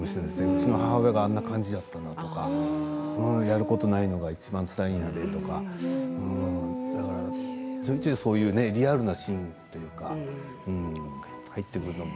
うちの母親があんな感じだったなとかやることないのがいちばんつらいんやでとかちょいちょい、そういうリアルなシーンというか入ってくるのか。